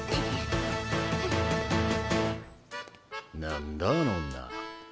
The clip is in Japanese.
何だあの女。